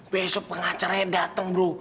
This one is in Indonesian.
besok pengacaranya dateng bro